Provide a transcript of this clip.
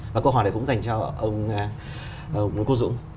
và câu hỏi này cũng dành cho ông nguyễn quốc dũng